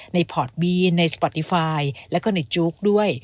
พอร์ตบีนในสปอดี้ไฟล์แล้วก็ในจุ๊กด้วย